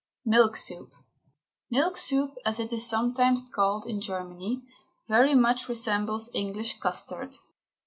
MILK SOUP. Milk soup, as it is sometimes called in Germany, very much resembles English custard.